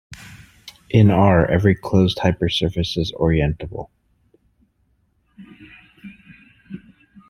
In R, every closed hypersurface is orientable.